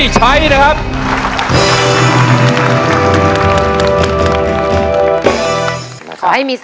ใช้